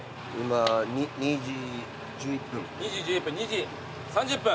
２時１１分。